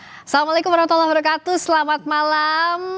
assalamualaikum wr wb selamat malam